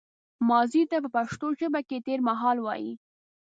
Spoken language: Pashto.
ماضي ته په پښتو ژبه کې تېرمهال وايي